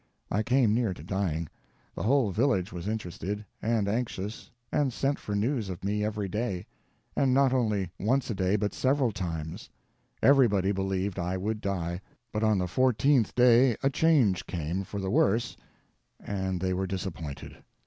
I came near to dying. The whole village was interested, and anxious, and sent for news of me every day; and not only once a day, but several times. Everybody believed I would die; but on the fourteenth day a change came for the worse and they were disappointed.